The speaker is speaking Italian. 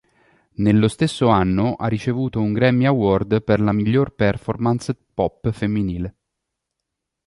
Nello stesso anno ha ricevuto un Grammy Award per la miglior performance pop femminile.